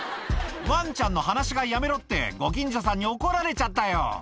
「ワンちゃんの放し飼いやめろってご近所さんに怒られちゃったよ」